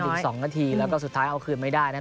อีก๒นาทีแล้วก็สุดท้ายเอาคืนไม่ได้นะครับ